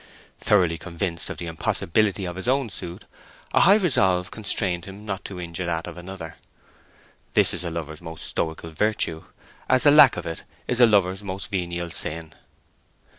Thoroughly convinced of the impossibility of his own suit, a high resolve constrained him not to injure that of another. This is a lover's most stoical virtue, as the lack of it is a lover's most venial sin.